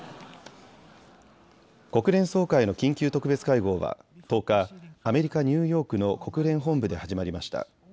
国連総会の緊急特別会合は１０日、アメリカ・ニューヨークの国連本部で始まりました。